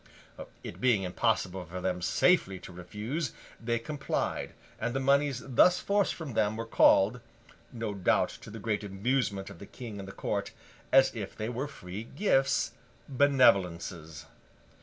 It being impossible for them safely to refuse, they complied, and the moneys thus forced from them were called—no doubt to the great amusement of the King and the Court—as if they were free gifts, 'Benevolences.